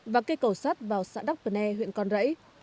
và cây cầu sát vào xã đắc vân e huyện con rẫy